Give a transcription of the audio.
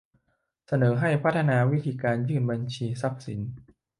เสนอให้พัฒนาวิธีการยื่นบัญชีทรัพย์สิน